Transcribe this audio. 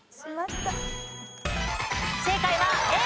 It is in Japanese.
正解はＡ。